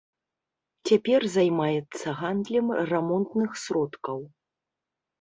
Цяпер займаецца гандлем рамонтных сродкаў.